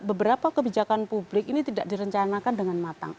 beberapa kebijakan publik ini tidak direncanakan dengan matang